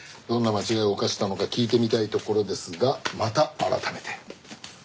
どんな間違いを犯したのか聞いてみたいところですがまた改めて。